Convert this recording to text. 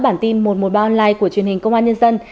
bản tin một trăm một mươi ba online của truyền hình công an nhân dân